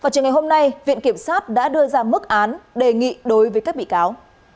trước ngày hôm nay viện kiểm soát đã đưa ra mức án đề nghị đối với các bị cáo